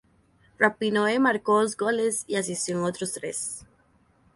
Rapinoe marcó dos goles y asistió en otros tres.